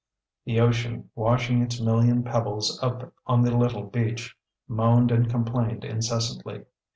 The ocean, washing its million pebbles up on the little beach, moaned and complained incessantly.